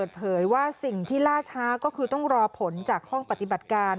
เปิดเผยว่าสิ่งที่ล่าช้าก็คือต้องรอผลจากห้องปฏิบัติการ